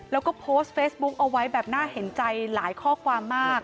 แล้วก็โพสต์เฟซบุ๊คเอาไว้แบบน่าเห็นใจหลายข้อความมาก